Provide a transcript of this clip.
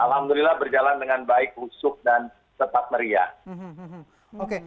alhamdulillah berjalan dengan baik husuk dan tetap meriah